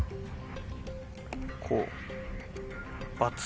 こうバツ。